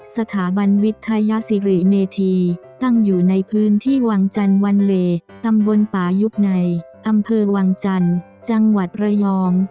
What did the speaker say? สถาบันวิทยาศิริเมธีตั้งอยู่ในพื้นที่วังจันทร์วันเลตำบลป่ายุบในอำเภอวังจันทร์จังหวัดระยอง